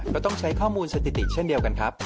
ก็ต้องใช้ข้อมูลสถิติเช่นเดียวกันครับ